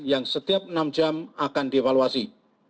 yang setiap enam jam akan dievaluasi